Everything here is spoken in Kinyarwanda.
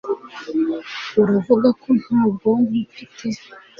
Uravuga ko nta bwonko mfite?